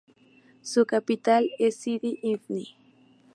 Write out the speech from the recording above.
Su capital es Sidi Ifni.